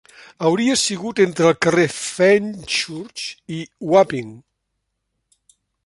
Hauria sigut entre el carrer Fenchurch i Wapping.